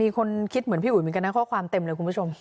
ไม่อยากให้แม่เป็นอะไรไปแล้วนอนร้องไห้แท่ทุกคืน